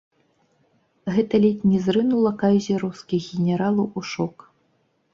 Гэта ледзь не зрынула кайзераўскіх генералаў у шок.